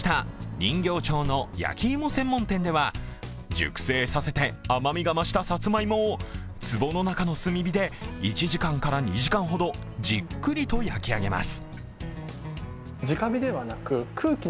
熟成させて甘みが増したさつまいもをつぼの中の炭火で１時間から２時間ほどじっくりと焼き上げます。